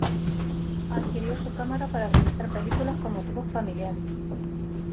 Adquirió su cámara para realizar películas con motivos familiares.